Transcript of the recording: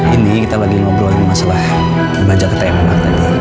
ini kita lagi ngobrolin masalah yang banyak kita yang ngelak tadi